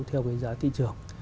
theo cái giá thị trường